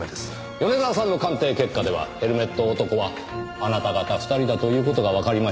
米沢さんの鑑定結果ではヘルメット男はあなた方２人だという事がわかりました。